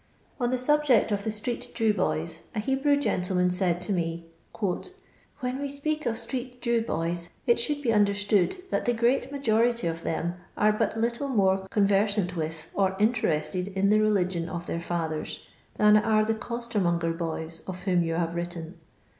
On thesnbject of the streeiJew boys, a Hebiew centleman said tome: " When we speak of street Jew boys, it sboold be understood, that the great majority of them are bnt little mora conversant with or interested in the religion of their fothers, than are the costermonger boys of whom yon have written.